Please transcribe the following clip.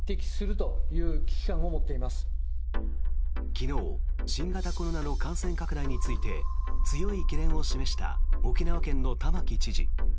昨日新型コロナの感染拡大について強い懸念を示した沖縄県の玉城知事。